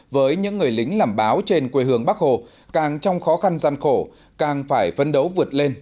với những người lính làm báo trên quê hương bắc hồ càng trong khó khăn gian khổ càng phải phấn đấu vượt lên